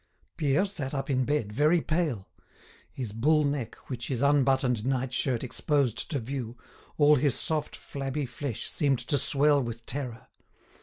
Pierre sat up in bed, very pale. His bull neck, which his unbuttoned night shirt exposed to view, all his soft, flabby flesh seemed to swell with terror.